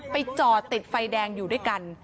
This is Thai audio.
จอดติดไฟแดงอยู่ด้วยกัน